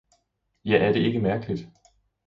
Ja er det ikke mærkeligt!